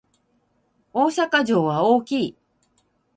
大阪城は大きい